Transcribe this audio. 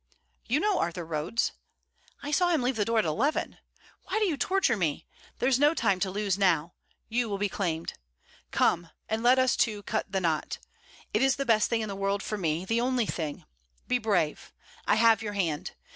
'You know Arthur Rhodes.' 'I saw him leave the door at eleven. Why do you torture me? There's no time to lose now. You will be claimed. Come, and let us two cut the knot. It is the best thing in the world for me the only thing. Be brave! I have your hand.